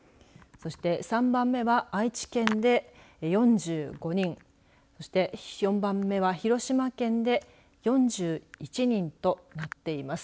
そして３番目は愛知県で４５人そして４番目は広島県で４１人となっています。